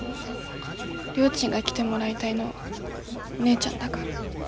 りょーちんが来てもらいたいのはお姉ちゃんだから。